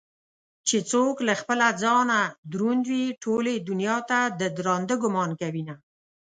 چې څوك له خپله ځانه دروند وي ټولې دنياته ددراندۀ ګومان كوينه